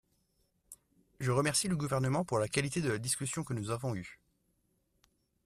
Je remercie le Gouvernement pour la qualité de la discussion que nous avons eue.